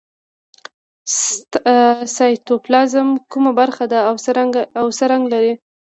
سایتوپلازم کومه برخه ده او څه رنګ لري